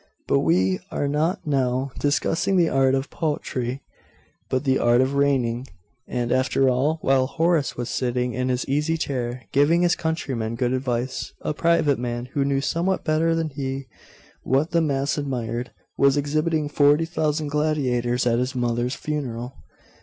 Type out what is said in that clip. But we are not now discussing the art of poetry, but the art of reigning; and, after all, while Horace was sitting in his easy chair, giving his countrymen good advice, a private man, who knew somewhat better than he what the mass admired, was exhibiting forty thousand gladiators at his mother's funeral.